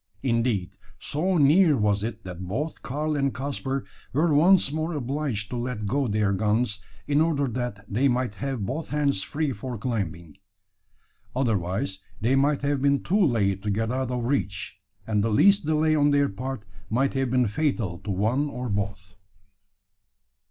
Indeed, so near was it, that both Karl and Caspar were once more obliged to let go their guns, in order that they might have both hands free for climbing. Otherwise they might have been too late to get out of reach, and the least delay on their part might have been fatal to one or both.